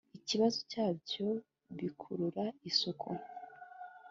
ikibazo cyabyo bikurura isuku nke